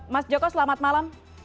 mas joko selamat malam